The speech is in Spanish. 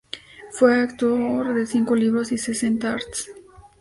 Fue autor de cinco libros y sesenta Arts.